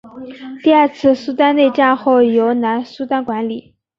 第二次苏丹内战后由南苏丹管理。